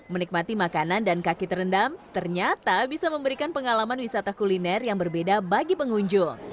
menikmati makanan dan kaki terendam ternyata bisa memberikan pengalaman wisata kuliner yang berbeda bagi pengunjung